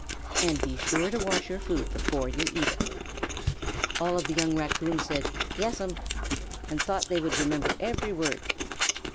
And be sure to wash your food before you eat it." All the young Raccoons said "Yes'm," and thought they would remember every word.